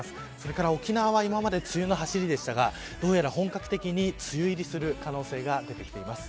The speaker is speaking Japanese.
沖縄は今まで梅雨のはしりでしたがどうやら本格的に梅雨入りする可能性が出てきています。